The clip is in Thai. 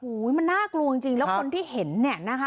โอ้โหมันน่ากลัวจริงแล้วคนที่เห็นเนี่ยนะคะ